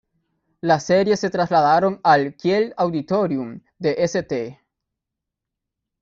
Las series se trasladaron al Kiel Auditorium de St.